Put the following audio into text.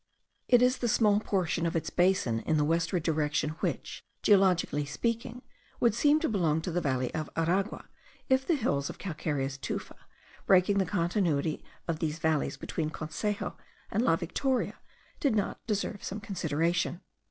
It is the small portion of its basin in the westward direction which, geologically speaking, would seem to belong to the valley of Aragua, if the hills of calcareous tufa, breaking the continuity of these valleys between Consejo and La Victoria, did not deserve some consideration.